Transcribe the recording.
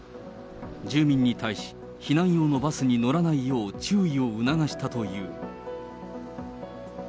住民に対し、避難用のバスに乗らないよう注意を促したという。